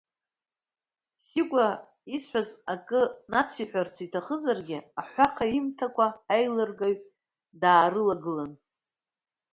Сикәа исҳәаз ак нациҳәарц иҭахызаргьы, аҳәаха имҭакәа, аилыргаҩ даарылагылан…